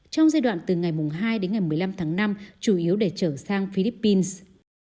trong giai đoạn từ ngày hai đến ngày một mươi năm tháng năm chủ yếu để trở sang philippines